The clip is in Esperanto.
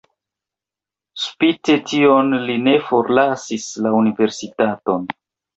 Spite tion li ne forlasis la universitaton.